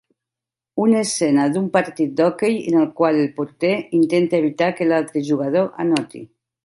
Una escena d'un partit d'hoquei en la qual el porter intenta evitar que l'altre jugador anoti